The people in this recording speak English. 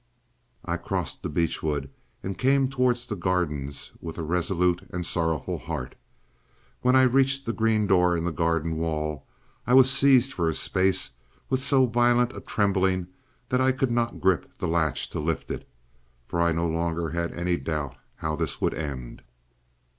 I crossed the beech wood and came towards the gardens with a resolute and sorrowful heart. When I reached the green door in the garden wall I was seized for a space with so violent a trembling that I could not grip the latch to lift it, for I no longer had any doubt how this would end.